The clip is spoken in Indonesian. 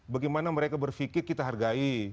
bagaimana mereka berpikir kita hargai